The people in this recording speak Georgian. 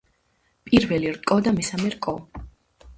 პირველი რკო და მესამე რკო.